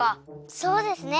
そうですね。